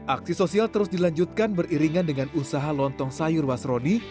aksi sosial terus dilanjutkan beriringan dengan usaha lontong sayur wasroni